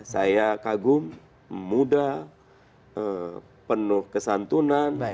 saya kagum muda penuh kesantunan